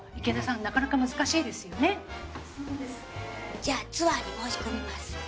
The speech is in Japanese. じゃあツアーに申し込みます。